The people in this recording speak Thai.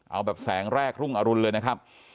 เอาแบบแสงแรกรุ่งอรุณเลยนะครับ